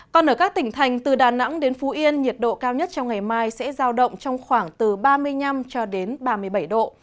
còn ở các tỉnh thành từ đà nẵng đến phú yên nhiệt độ cao nhất trong ngày mai sẽ giao động trong khoảng từ ba mươi năm cho đến ba mươi bảy độ